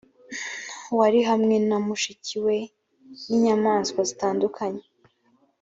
wari hamwe na mushiki we n inyamaswa zitandukanye